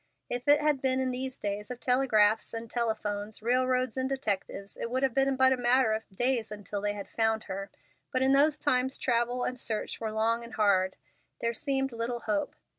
If it had been in these days of telegraphs and telephones, railroads and detectives, it would have been but a matter of days until they had found her, but in those times travel and search were long and hard. There seemed little hope.